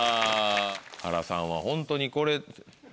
原さんはホントにこれ。